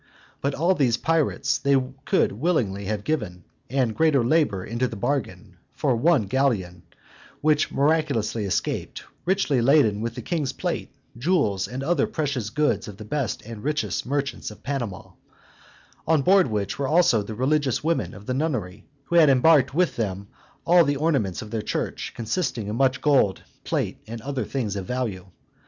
But all these prizes they could willingly have given, and greater labor into the bargain, for one galleon, which miraculously escaped, richly laden with all the king's plate, jewels, and other precious goods of the best and richest merchants of Panama: on board which were also the religious women of the nunnery, who had embarked with them all the ornaments of their church, consisting in much gold, plate, and other things of great value.